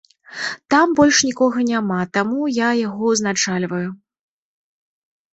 Там больш нікога няма, таму я яго ўзначальваю.